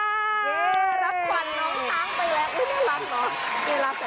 รับขวัญน้องช้างไปแล้วไม่น่ารักเหรอ